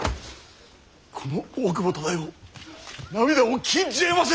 この大久保忠世涙を禁じえませぬ！